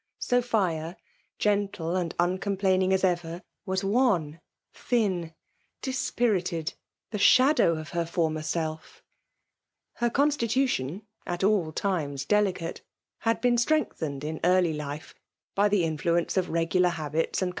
Sophia, gentle and uncomplaining as ever, >vas wan, thin, dispirited, the shadow of her former self Her constitutioti, at all times dehcate, had been strengthened in earljf life by the influence of regular habits and FBMAJLE